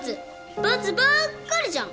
バツばっかりじゃん！